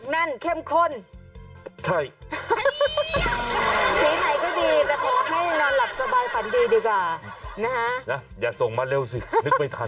สีไหนก็ดีแต่ก็ให้นอนหลับสบายค่ะดีดีกว่านะฮะนะเยอะส่งมาเร็วสินึกไม่ทัน